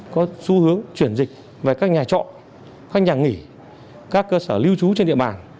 có xu hướng chuyển dịch về các nhà trọ các nhà nghỉ các cơ sở lưu trú trên địa bàn